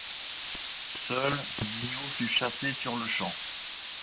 Seul, Mignot fut chassé sur-le-champ.